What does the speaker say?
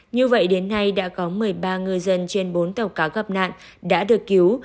như vậy đến nay đã có một mươi ba ngư dân trên bốn tàu cá gặp nạn đã được cứu